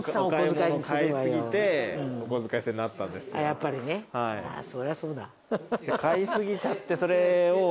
やっぱりねそりゃそうだ。